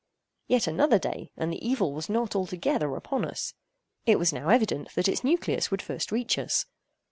Yet another day—and the evil was not altogether upon us. It was now evident that its nucleus would first reach us.